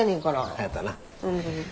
そやったな。